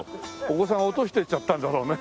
お子さんが落としてっちゃったんだろうね。